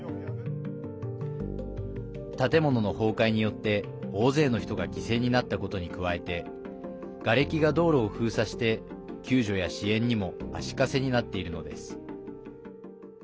建物の崩壊によって、大勢の人が犠牲になったことに加えてがれきが道路を封鎖して救助や支援にも足かせになっているのです。